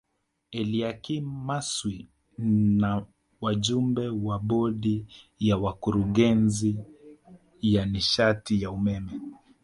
Eliakim Maswi na wajumbe wa Bodi ya Wakurugenzi ya nishati ya umeme